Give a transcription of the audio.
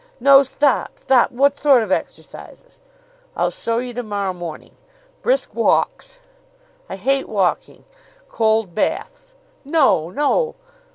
"No; stop! Stop! What sort of exercises?" "I'll show you to morrow morning. Brisk walks." "I hate walking." "Cold baths." "No, no!"